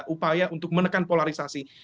upaya untuk menekan polarisasi